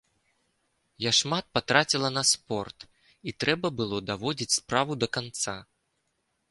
Я шмат патраціла на спорт, і трэба было даводзіць справу да канца.